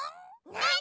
なに？